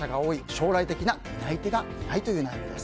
将来的な担い手がいないという悩みです。